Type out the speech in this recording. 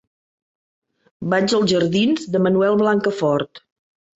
Vaig als jardins de Manuel Blancafort.